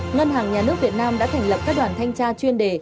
ngân hàng nhà nước việt nam đã thành lập các đoàn thanh tra chuyên đề